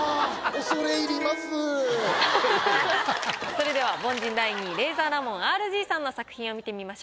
それでは凡人第２位レイザーラモンＲＧさんの作品を見てみましょう。